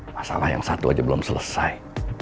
masalah yang satu aja belum selesai